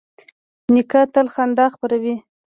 نیکه تل خندا خپروي.